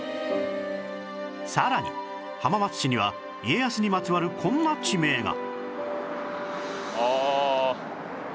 さらに浜松市には家康にまつわるこんな地名がああ。